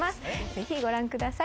ぜひご覧ください